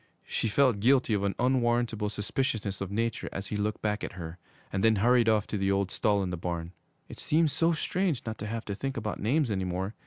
She felt guilty of an unwarrantable suspiciousness of nature as he looked back at her and then hurried off to the old stall in the barn. It seemed so strange not to have to think about names any more.